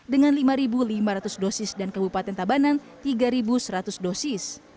dengan lima lima ratus dosis dan kabupaten tabanan tiga seratus dosis